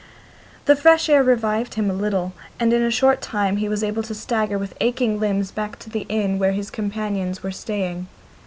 The fresh air revived him a little, and in a short time he was able to stagger with aching limbs back to the inn where his companions were staying.